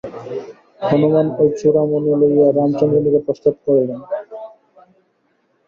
হনুমান ঐ চূড়ামণি লইয়া রামচন্দ্রের নিকট প্রস্থান করিলেন।